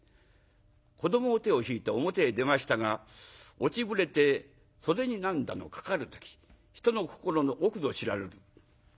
子どもの手を引いて表へ出ましたが落ちぶれて袖に涙のかかる時人の心の奥ぞ知らるる。